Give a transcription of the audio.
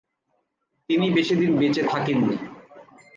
তিনি বেশিদিন বেঁচে থাকেন নি।